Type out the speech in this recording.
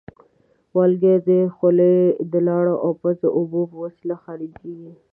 والګی د خولې د لاړو او پزې اوبو په وسیله خارجېږي.